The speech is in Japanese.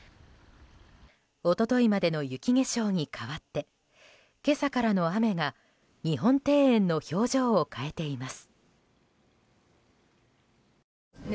一昨日までの雪化粧に変わって今朝からの雨が日本庭園の表情を変えています。